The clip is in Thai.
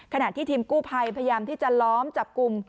ขณะที่ทีมกู้ภัยพยายามที่จะล้อมจับกลุ่ม